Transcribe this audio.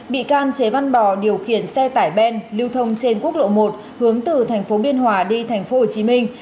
bị can chế văn bò điều khiển xe tải ben lưu thông trên quốc lộ một hướng từ thành phố biên hòa đi thành phố hồ chí minh